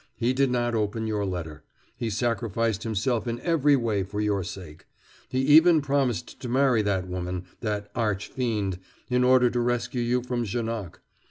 He did not open your letter. He sacrificed himself in every way for your sake. He even promised to marry that woman, that arch fiend, in order to rescue you from Janoc.